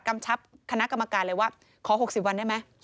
กำชับคณะกรรมการเลยว่าขอ๖๐วันได้ไหม